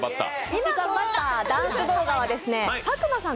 今撮ったダンス動画は佐久間さん